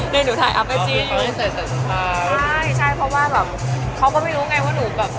เดี๋ยวหนูถ่ายอัพไอจีให้ดูใช่เพราะว่าแบบเขาก็ไม่รู้ไงว่าหนูแบบ